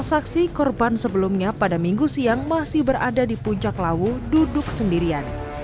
saksi korban sebelumnya pada minggu siang masih berada di puncak lawu duduk sendirian